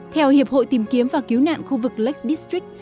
theo hiệp hội tìm kiếm và cứu nạn khu vực lake district